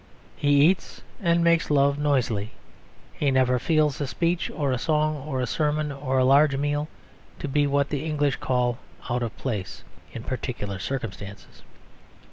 He eats and makes love noisily. He never feels a speech or a song or a sermon or a large meal to be what the English call "out of place" in particular circumstances.